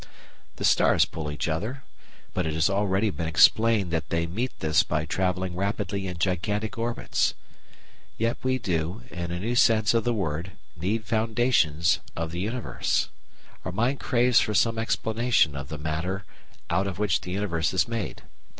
The stars pull each other; but it has already been explained that they meet this by travelling rapidly in gigantic orbits. Yet we do, in a new sense of the word, need foundations of the universe. Our mind craves for some explanation of the matter out of which the universe is made.